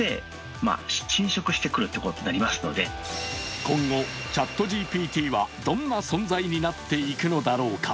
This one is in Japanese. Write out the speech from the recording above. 今後ＣｈａｔＧＰＴはどんな存在になっていくのだろうか。